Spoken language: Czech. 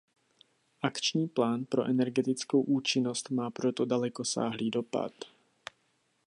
Akční plán pro energetickou účinnost má proto dalekosáhlý dopad.